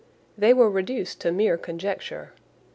They were reduced to mere conjecture.